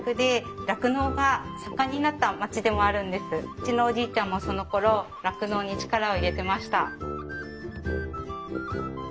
うちのおじいちゃんもそのころ酪農に力を入れてました。